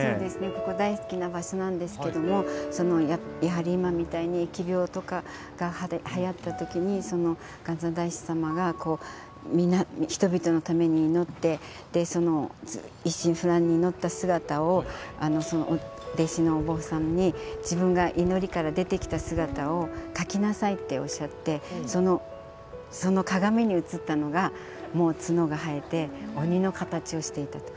ここ、大好きな場所なんですけど今みたいに疫病とかがはやったときに元三大師様が人々のために祈って一心不乱に祈った姿を弟子のお坊さんに自分が祈りから出てきた姿を描きなさいっておっしゃってその鏡に映ったのが、角が生えて鬼の形をしていたと。